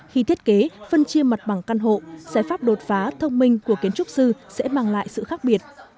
khi thiết kế phân chia mặt bằng căn hộ giải pháp đột phá thông minh của kiến trúc sư sẽ mang lại sự khác biệt